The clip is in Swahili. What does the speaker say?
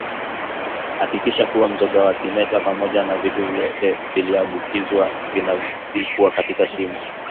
Hakikisha kuwa mzoga wa kimeta pamoja na vitu vyote vilivyoambukizwa vinavizikwa katika shimo